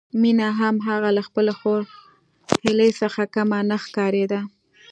مينه هم هغه له خپلې خور هيلې څخه کمه نه ښکارېده